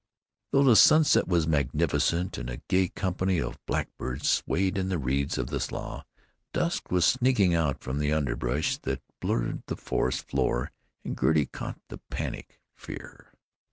Though the sunset was magnificent and a gay company of blackbirds swayed on the reeds of the slough, dusk was sneaking out from the underbrush that blurred the forest floor, and Gertie caught the panic fear.